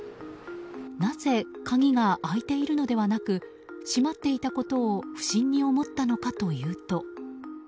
なぜ、鍵が開いているのではなく閉まっていたことを不審に思ったのかというと。